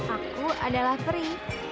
aku adalah peri